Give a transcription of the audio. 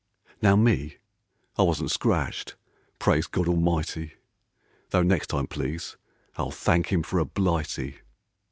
Now me, I wasn't scratched, praise God Almighty, (Though next time please I'll thank 'im for a blighty).